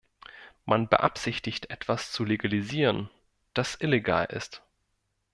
Man beabsichtigt, etwas zu "legalisieren", das illegal ist.